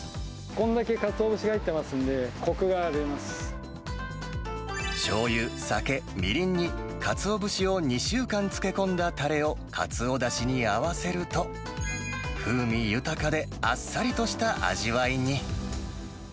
これだけカツオ節が入ってましょうゆ、酒、みりんにカツオ節を２週間漬け込んだたれをカツオだしに合わせると、風味豊かであっさりとした味わいに。